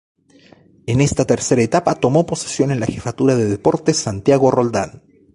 En esta tercera etapa tomó posesión en la jefatura de deportes Santiago Roldán.